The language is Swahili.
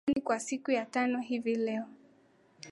an kwa siku ya tano hivi leo